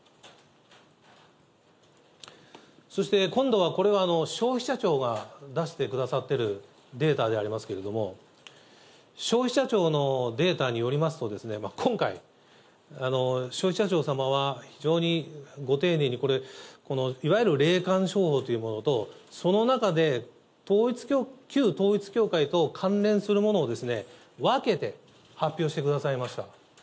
そして、今度はこれは消費者庁が出してくださってるデータでありますけれども、消費者庁のデータによりますと、今回、消費者庁様は非常にご丁寧に、これ、いわゆる霊感商法というものと、その中で旧統一教会と関連するものを分けて発表してくださいました。